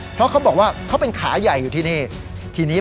เพราะเขาบอกว่าเขาเป็นขาใหญ่อยู่ที่นี่ทีนี้